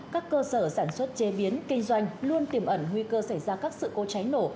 các cơ sở sản xuất chế biến kinh doanh luôn tiềm ẩn nguy cơ xảy ra các sự cố cháy nổ